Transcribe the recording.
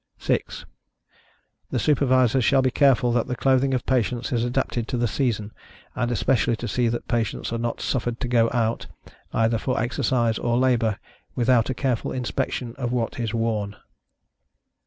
6. The Supervisors shall be careful that the clothing of patients is adapted to the season, and especially to see that patients are not suffered to go out, either for exercise or labor, without a careful inspection of what is worn.